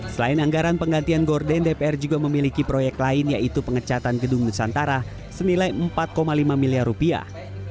selain anggaran penggantian gorden dpr juga memiliki proyek lain yaitu pengecatan gedung nusantara senilai empat lima miliar rupiah